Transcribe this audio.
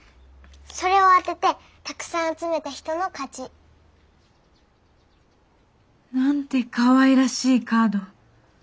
それを当ててたくさん集めた人の勝ち。なんてかわいらしいカード。